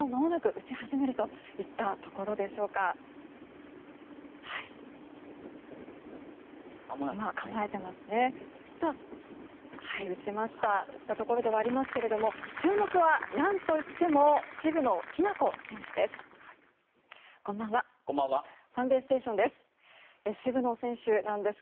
打ったところではありますけれども注目は何といっても渋野日向子選手です。